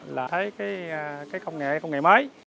là thấy cái công nghệ công nghệ mới